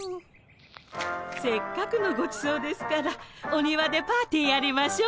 せっかくのごちそうですからお庭でパーティーやりましょう。